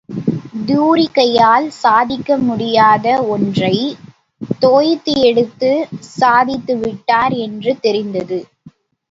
தூரிகையால் சாதிக்க முடியாத ஒன்றை தோய்த்து எடுத்து சாதித்துவிட்டார் என்று தெரிந்தது.